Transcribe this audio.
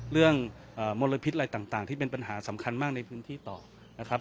เรื่องเอ่อมลพิษอะไรต่างต่างที่เป็นปัญหาสำคัญมากในพื้นที่ต่อนะครับ